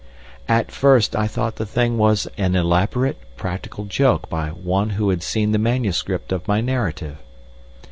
At first I thought the thing was an elaborate practical joke by some one who had seen the manuscript of my narrative.